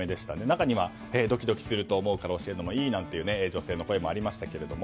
中にはドキドキすると思うので教えるのもいいという女性の声もありましたけど。